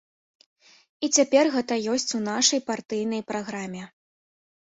І цяпер гэта ёсць у нашай партыйнай праграме.